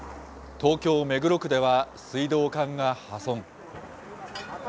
東京・目黒区では、水道管が破損。